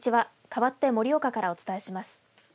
かわって盛岡からお伝えします。